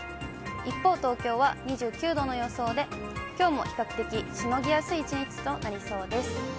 一方、東京は２９度の予想で、きょうも比較的、しのぎやすい一日となりそうです。